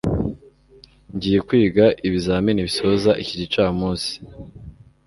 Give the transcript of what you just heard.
ngiye kwiga ibizamini bisoza iki gicamunsi